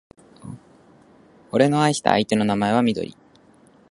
俺の愛した相手の名前はみどり